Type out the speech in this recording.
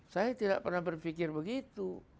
saya tidak pernah berpikir begitu